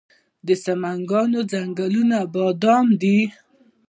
د سمنګان ځنګلونه بادام دي